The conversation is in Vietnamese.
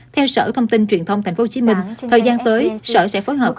theo sở thông tin truyền thông tp hcm thời gian tới sở sẽ phối hợp